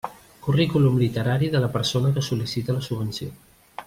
Currículum literari de la persona que sol·licita la subvenció.